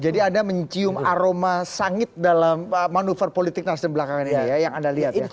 jadi anda mencium aroma sangit dalam manuver politik nasdem belakangan ini ya yang anda lihat